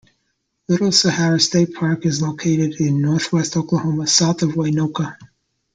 Little Sahara State Park is located in northwest Oklahoma, south of Waynoka.